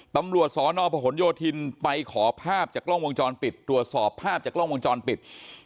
ตำรวจสนพหนโยธินไปขอภาพจากกล้องวงจรปิดตรวจสอบภาพจากกล้องวงจรปิด